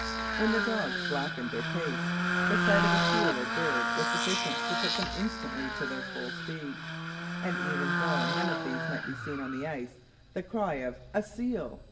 When the dogs slackened their pace, the sight of a seal or bird was sufficient to put them instantly to their full speed; and even though none of these might be seen on the ice, the cry of "a seal!"